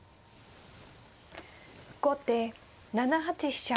後手７八飛車。